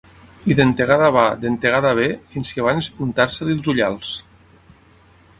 I dentegada va, dentegada ve, fins que van espuntar-se-li els ullals.